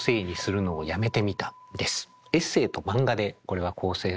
エッセーと漫画でこれは構成されていますね。